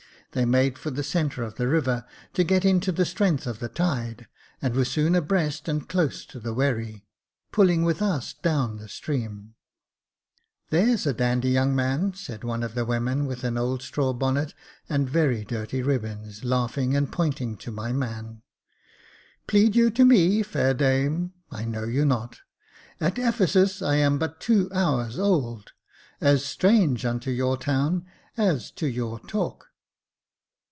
They made for the centre of the river, to get into the strength of the tide, and were soon abreast and close to the wherry, pulling with us down the stream. J.F. R 258 Jacob Faithful " There's a dandy young man," said one of the women, with an old straw bonnet and very dirty ribbons, laughing, and pointing to my man. " Plead you to me, fair dame ? I know you not ; At Ephesus I am but two hours old, As strange unto your town as to your talk."